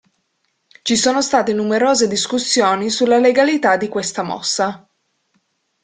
Ci sono state numerose discussioni sulla legalità di questa mossa.